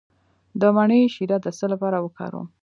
د مڼې شیره د څه لپاره وکاروم؟